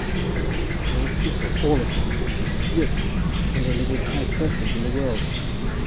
"And they are proud people all of them and rich; and they live with high persons in the world."